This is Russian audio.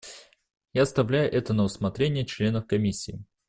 Я оставляю это на усмотрение членов Комиссии.